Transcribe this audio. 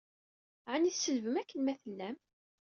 Ɛni tselbem akken ma tellam?